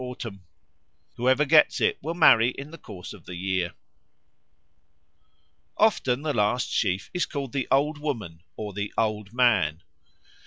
autumn. Whoever gets it will marry in the course of the year. Often the last sheaf is called the Old Woman or the Old Man.